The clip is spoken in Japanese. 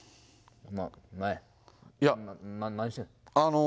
なんや、何してんの。